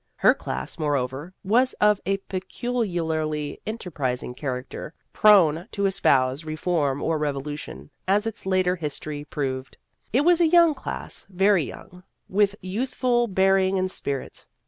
Her class, moreover, was of a peculiarly enter prising character prone to espouse re form or revolution, as its later history proved. It was a young class very young with youthful bearing and spirit.